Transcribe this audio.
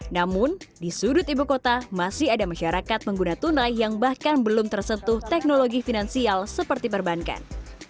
namun di sudut ibu kota masih ada masyarakat pengguna tunai yang bahkan belum tersentuh teknologi finansial seperti perbankan